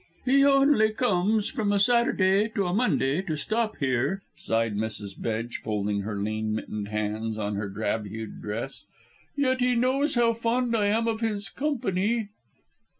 "He only comes from a Saturday to a Monday to stop here," sighed Mrs. Bedge, folding her lean mittened hands on her drab hued dress, "yet he knows how fond I am of his company."